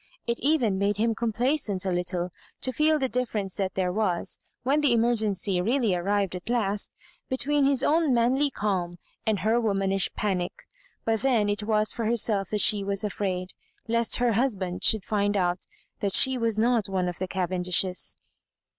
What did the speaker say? It even made him complaisant a little to feel the difference that there was, when the emergency really ar rived at last, between his own manly calm and her womanish panic. But then it was for her self that she was afraid, lest her husband should find out that she was not one of the Cavendishes.